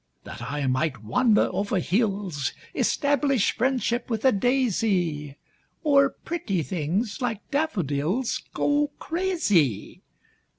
That I might wander over hills, Establish friendship with a daisy, O'er pretty things like daffodils Go crazy!